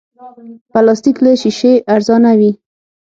پلاستيک له شیشې ارزانه وي.